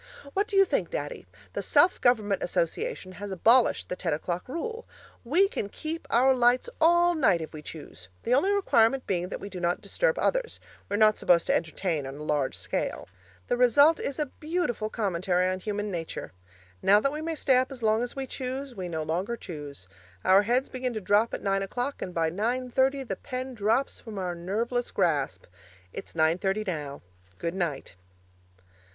What do you think, Daddy? The Self Government Association has abolished the ten o'clock rule. We can keep our lights all night if we choose, the only requirement being that we do not disturb others we are not supposed to entertain on a large scale. The result is a beautiful commentary on human nature. Now that we may stay up as long as we choose, we no longer choose. Our heads begin to nod at nine o'clock, and by nine thirty the pen drops from our nerveless grasp. It's nine thirty now. Good night.